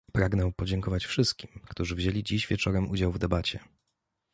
Pragnę podziękować wszystkim, którzy wzięli dziś wieczorem udział w debacie